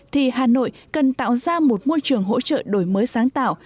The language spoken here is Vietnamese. thì hà nội cần tạo ra một môi trường hỗ trợ đổi mới sáng tạo